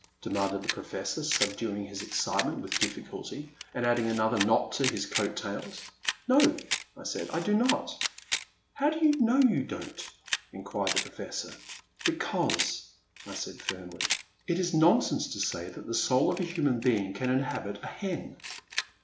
' demanded the Professor, subduing his excitement with diffi culty, and adding anotiier knot to his coat tails. '*No," I said, *' I do not." How do you know you don't ?" enquired the Professor. Because," I said, firmly, '* it is nonsense to say that the soul of a human being can inhabit a hen